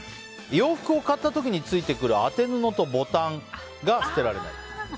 洋服を買った時についてくる当て布とボタンが捨てられない。